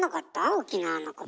沖縄のことば。